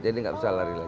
jadi gak bisa lari lagi